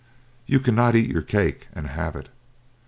You cannot eat your cake and have it.